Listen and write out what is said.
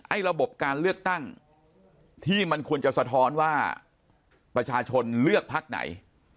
ระบบการเลือกตั้งที่มันควรจะสะท้อนว่าประชาชนเลือกพักไหน